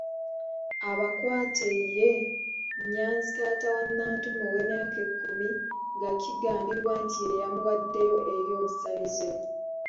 Abakwate ye; Nyanzi taata wa Nantume ow’emyaka ekkumi nga kigambibwa nti ye yamuwaddeyo eri omusamize.